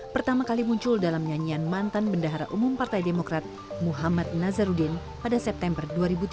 pertama kali muncul dalam nyanyian mantan bendahara umum partai demokrat muhammad nazarudin pada september dua ribu tujuh belas